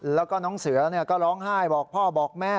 แล้วก็น้องเสือก็ร้องไห้บอกพ่อบอกแม่